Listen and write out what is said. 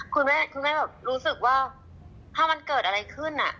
คุณแม่รู้สึกว่าถ้ามันเกิดอะไรขึ้น